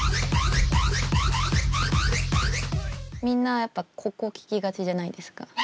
みんなやっぱここ聴きがちじゃないですか。